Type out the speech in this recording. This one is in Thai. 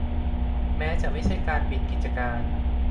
แม้จะไม่ใช่การปิดกิจการ